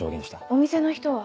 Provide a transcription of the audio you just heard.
お店の人は？